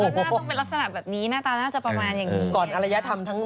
ก็น่าจะเป็นลักษณะแบบนี้หน้าตาน่าจะประมาณอย่างนี้